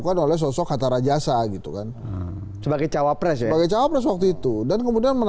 sangat terganggu dengan